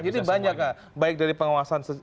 jadi banyak ya baik dari pengawasan